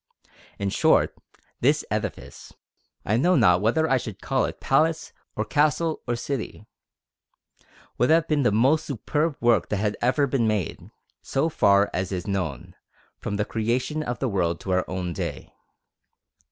In short, this edifice I know not whether I should call it palace, or castle, or city would have been the most superb work that had ever been made, so far as is known, from the Creation of the world to our own day.